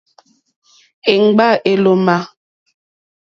Éŋɡbá èlómà.